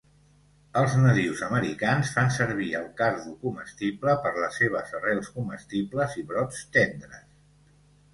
Els nadius americans fan servir el cardo comestible per les seves arrels comestibles i brots tendres.